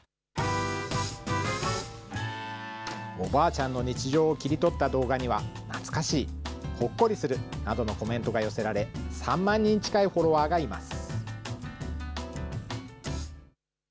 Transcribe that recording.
おばあちゃんの日常を切り取った動画には、懐かしい、ほっこりするなどのコメントが寄せられ、３万人近いフォロワーがいます。